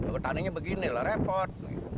petaninya beginilah repot